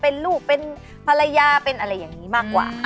เป็นลูกเป็นภรรยาเป็นอะไรอย่างนี้มากกว่าค่ะ